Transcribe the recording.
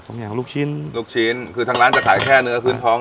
อย่างลูกชิ้นลูกชิ้นคือทางร้านจะขายแค่เนื้อพื้นท้อง